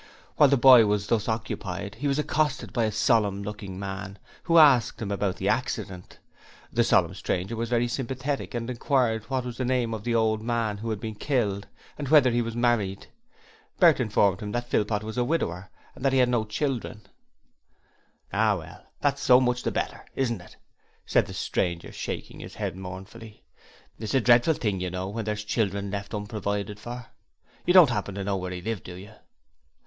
While the boy was thus occupied he was accosted by a solemn looking man who asked him about the accident. The solemn stranger was very sympathetic and inquired what was the name of the man who had been killed, and whether he was married. Bert informed him that Philpot was a widower, and that he had no children. 'Ah, well, that's so much the better, isn't it?' said the stranger shaking his head mournfully. 'It's a dreadful thing, you know, when there's children left unprovided for. You don't happen to know where he lived, do you?'